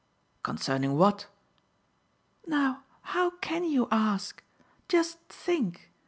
"Concerning what?" "Now, how can you ask? Just think!